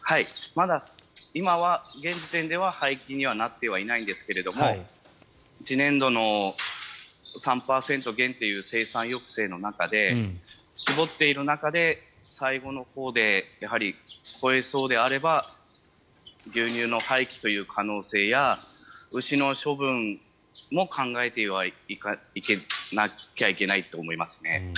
まだ今は現時点では廃棄にはなっていないんですが次年度の３％減という生産抑制の中で搾っている中で最後のほうで超えそうであれば牛乳の廃棄という可能性や牛の処分も考えていかなきゃいけないと思いますね。